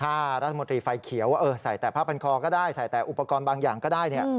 ถ้ารัฐมนตรีไฟเขียวใส่แต่ผ้าพันคอก็ได้ใส่แต่อุปกรณ์บางอย่างก็ได้